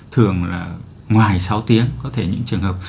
thường là ngoài sáu tiếng có thể những trường hợp